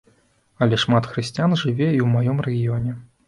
Але шмат хрысціян жыве і ў маім рэгіёне.